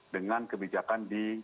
dengan kebijakan di transportasi